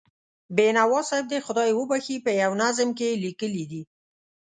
بینوا صاحب دې خدای وبښي، په یوه نظم کې یې لیکلي دي.